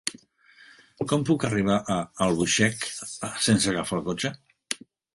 Com puc arribar a Albuixec sense agafar el cotxe?